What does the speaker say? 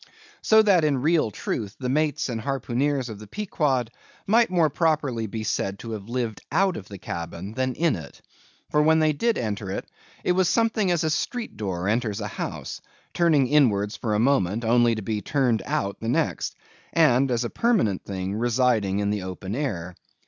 So that, in real truth, the mates and harpooneers of the Pequod might more properly be said to have lived out of the cabin than in it. For when they did enter it, it was something as a street door enters a house; turning inwards for a moment, only to be turned out the next; and, as a permanent thing, residing in the open air.